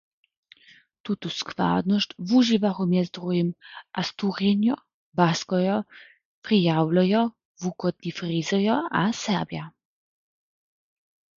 Tutu składnosć wužiwachu mjez druhim Asturjenjo, Baskojo, Frijawlojo, Wuchodni Frizojo a Serbja.